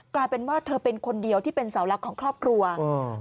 กลายเป็นว่าเธอเป็นคนเดียวที่เป็นเสาหลักของครอบครัวอืม